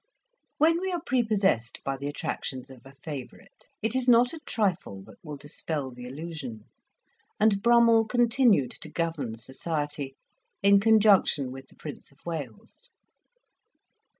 When we are prepossessed by the attractions of a favourite, it is not a trifle that will dispel the illusion; and Brummell continued to govern society, in conjunction with the Prince of Wales.